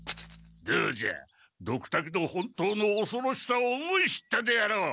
どうじゃドクタケの本当のおそろしさを思い知ったであろう。